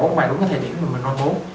ngoài đúng cái thời điểm mà mình mong muốn